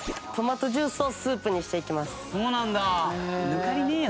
抜かりねえよ